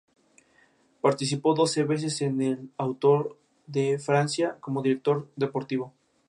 Participó doce veces en el Tour de Francia como director deportivo.